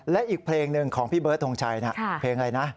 และอีกเพลงหนึ่งของพี่เบิร์ดทงชัยนะเพลงอะไรนะ